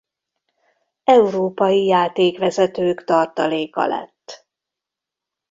Európai játékvezetők tartaléka lett.